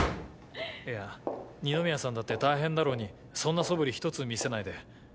いや二宮さんだって大変だろうにそんなそぶりひとつ見せないで。